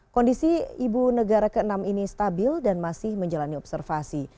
kondisi ibu negara ke enam ini stabil dan masih menjalani observasi